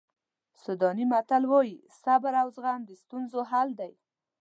سوډاني متل وایي صبر او زغم د ستونزو حل دی.